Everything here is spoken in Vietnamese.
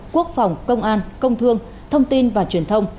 quốc phòng công an công thương thông tin và truyền thông